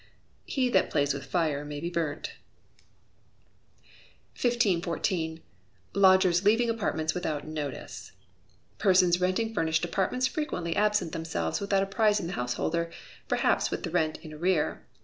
[HE THAT PLAYS WITH FIRE MAY BE BURNT.] 1514. Lodgers Leaving Apartments Without Notice. Persons renting furnished apartments frequently absent themselves without apprising the householder, perhaps with the rent in arrear.